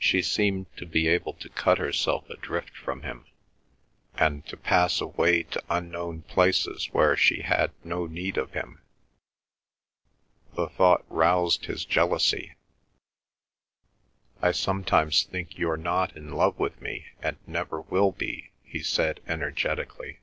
She seemed to be able to cut herself adrift from him, and to pass away to unknown places where she had no need of him. The thought roused his jealousy. "I sometimes think you're not in love with me and never will be," he said energetically.